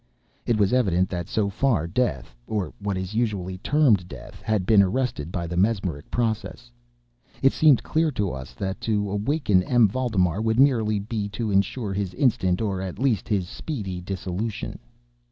It was evident that, so far, death (or what is usually termed death) had been arrested by the mesmeric process. It seemed clear to us all that to awaken M. Valdemar would be merely to insure his instant, or at least his speedy, dissolution.